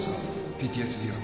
ＰＴＳＤ は